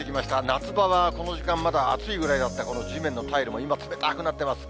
夏場はこの時間、まだあついぐらいだったこの地面のタイルも今、冷たくなっています。